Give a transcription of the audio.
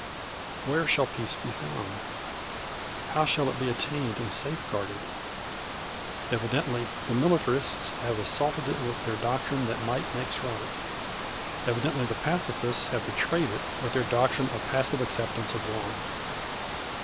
Where shall peace be found? How shall it be attained and safeguarded? Evidently the militarists have assaulted it with their doctrine that might makes right. Evidently the pacifists have betrayed it with their doctrine of passive acceptance of wrong.